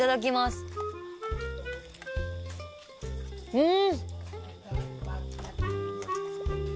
うん！